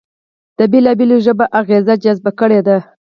د بېلابېلو ژبو اغېزې جذب کړې دي